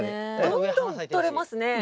どんどんとれますね。